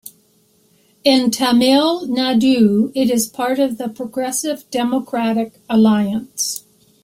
In Tamil Nadu it is part of the Progressive Democratic Alliance.